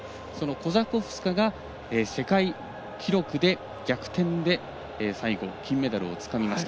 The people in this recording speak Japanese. コザコフスカが世界記録で逆転で最後、金メダルをつかみました。